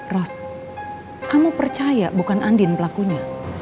ros kamu percaya bukan andin pelakunya